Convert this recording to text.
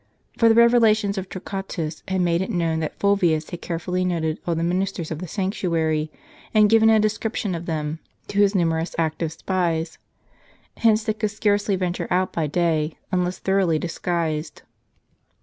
For the revelations of Tor quatus had made it known that Fulvius had carefully noted all the ministers of the sanctuary, and given a description of them to his numerous active spies. Hence they could scarcely venture out by day, unless thoroughly disguised.